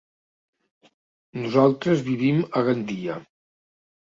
Nosaltres vivim a Gandia.